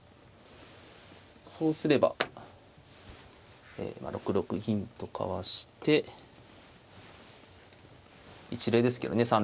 そうすれば６六銀とかわして一例ですけどね